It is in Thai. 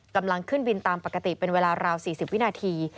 กำลังขึ้นบินตามปกติเป็นเวลาราว๔๐วินาที